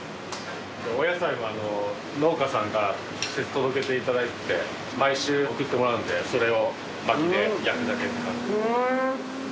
お野菜も農家さんが直接届けていただいてて毎週送ってもらうんでそれをまきで焼くだけって感じです。